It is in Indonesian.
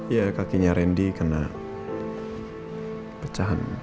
ya kakinya randy kena pecahan